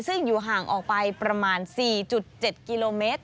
ซึ่งอยู่ห่างออกไปประมาณ๔๗กิโลเมตร